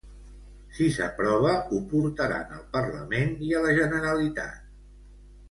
Si s'aprova, ho portaran al Parlament i a la Generalitat.